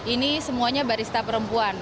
ini semuanya barista perempuan